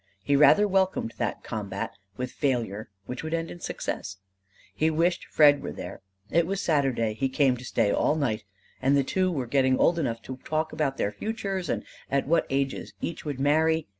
He rather welcomed that combat with failure which would end in success. He wished Fred were there. It was Saturday he came to stay all night; and the two were getting old enough to talk about their futures and at what ages each would marry.